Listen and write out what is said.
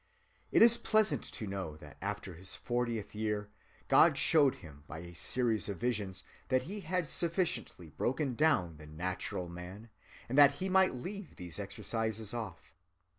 It is pleasant to know that after his fortieth year, God showed him by a series of visions that he had sufficiently broken down the natural man, and that he might leave these exercises off.